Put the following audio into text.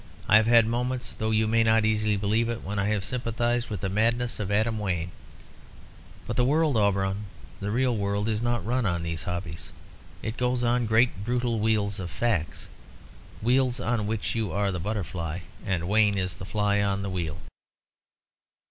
I have had moments, though you may not easily believe it, when I have sympathised with the madness of Adam Wayne. But the world, Auberon, the real world, is not run on these hobbies. It goes on great brutal wheels of facts wheels on which you are the butterfly; and Wayne is the fly on the wheel."